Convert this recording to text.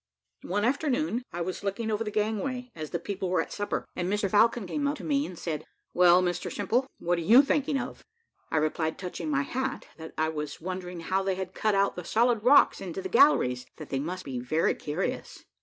One afternoon, I was looking over the gangway as the people were at supper, and Mr Falcon came up to me and said, "Well, Mr Simple, what are you thinking of?" I replied, touching my hat, that I was wondering how they had cut out the solid rocks into galleries, and that they must be very curious.